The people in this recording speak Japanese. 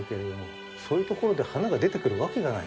そういうところで花が出てくるわけがない。